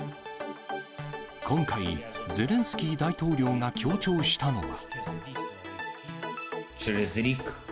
今回、ゼレンスキー大統領が強調したのは。